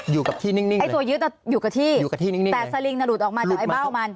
อยู่กับที่นิ่งเลยแต่สะริงน่ะหลุดออกมาจากไอ้เบ้ามัน